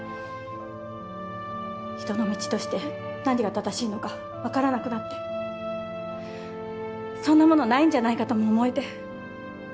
人の道として何が正しいのかわからなくなってそんなものないんじゃないかとも思えて。